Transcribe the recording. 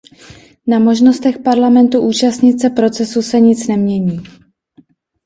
Na možnostech Parlamentu účastnit se procesu se nic nemění.